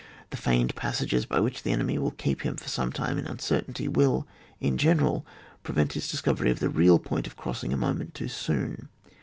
The feigned passages by which the enemy will keep him for some time in uncertainty — will, in general pre vent his discovering the real point of crossing a moment too soon.